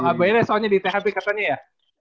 abahirnya soalnya di thb katanya ya